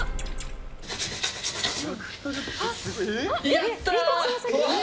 やったー！